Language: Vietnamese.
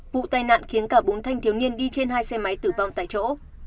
vụ tai nạn khiến cả bốn thanh thiếu niên đi trên hai xe máy tử vong tại chỗ